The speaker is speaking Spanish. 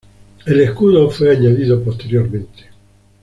El escudo fue añadido posteriormente.